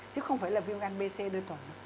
chứ không phải là viêm gan bc đơn toàn